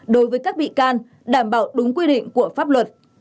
đối với các bị can đảm bảo đúng quy định của pháp luật